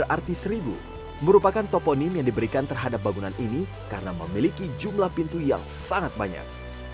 lrt seribu merupakan toponim yang diberikan terhadap bangunan ini karena memiliki jumlah pintu yang sangat banyak